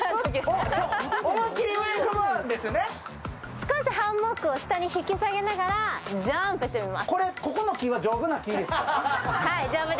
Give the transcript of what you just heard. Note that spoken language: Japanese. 少しハンモックを下に引き下げながらジャンプしてみます。